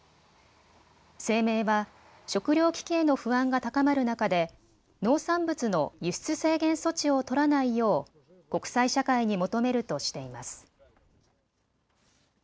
声明は食糧危機への不安が高まる中で農産物の輸出制限措置を取らないよう国際社会に求めるとしています。